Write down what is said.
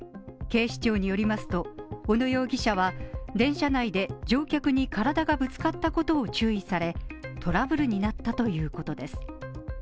警視庁によりますと小野容疑者は電車内で乗客に体がぶつかったことを注意され、トラブルになったということです。